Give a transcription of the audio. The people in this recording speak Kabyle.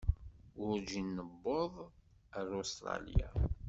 Werǧin newweḍ ar Ustṛalya.